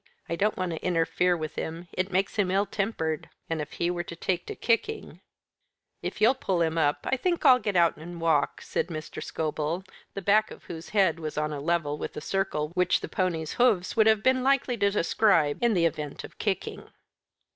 "I don't want to interfere with him; it makes him ill tempered. And if he were to take to kicking " "If you'll pull him up, I think I'll get out and walk," said Mr. Scobel, the back of whose head was on a level with the circle which the pony's hoofs would have been likely to describe in the event of kicking.